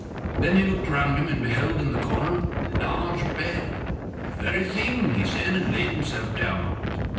Then he looked around him and beheld in the corner a large bed. "The very thing," he said, and laid himself down in it.